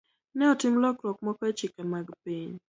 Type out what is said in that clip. Ne otim lokruok moko e chike mag piny.